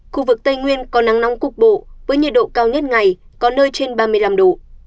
khu vực tây nguyên có nắng nóng cục bộ với nhiệt độ cao nhất ngày có nơi trên ba mươi năm độ